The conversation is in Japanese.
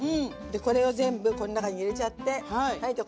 これを全部この中に入れちゃってはいじゃ